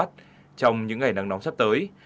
trong những ngày nắng nóng sắp tới